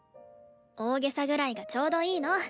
大げさぐらいがちょうどいいの。